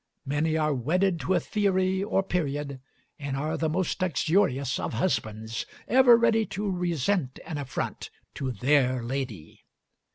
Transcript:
Many are wedded to a theory or period, and are the most uxorious of husbands ever ready to resent an affront to their lady.